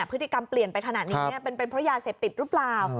พฤติกรรมเปลี่ยนไปขนาดนี้เป็นเพราะยาเสพติดหรือเปล่า